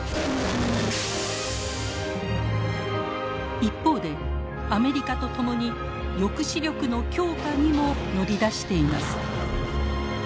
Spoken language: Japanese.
一方でアメリカと共に抑止力の強化にも乗り出しています。